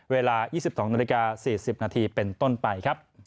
เวลา๒๒น๔๐นเป็นต้นไปครับ